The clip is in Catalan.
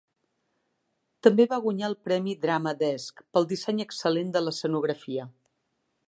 També va guanyar el premi Drama Desk pel disseny excel·lent de l'escenografia.